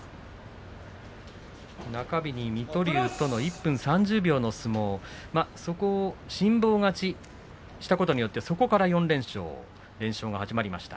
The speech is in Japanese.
中日に水戸龍と１分３０秒の相撲辛抱勝ちしたことによってそこから４連勝連勝が始まりました。